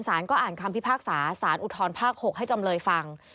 สารก็อ่านคำพิพากษาสารอุทธรภาค๖ให้จำเลยฟัง